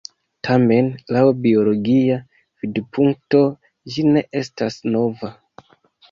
Tamen, laŭ biologia vidpunkto, ĝi ne estas nova.